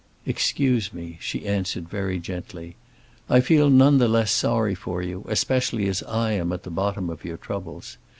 "Excuse me," she answered very gently. "I feel none the less sorry for you, especially as I am at the bottom of your troubles.